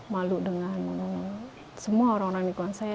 malu dengan semua orang orang lingkungan saya